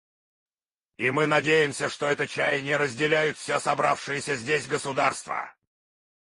И мы надеемся, что это чаяние разделяют все собравшиеся здесь государства.